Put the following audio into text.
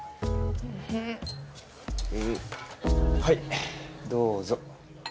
はいどうぞ。